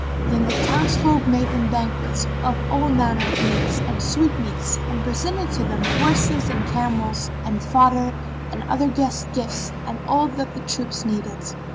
Then the townsfolk made them banquets of all manner of meats and sweetmeats and presented to them horses and camels and fodder and other guest gifts and all that the troops needed.